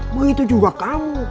begitu juga kamu